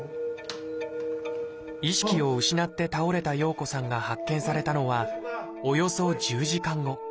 意識を失って倒れた洋子さんが発見されたのはおよそ１０時間後。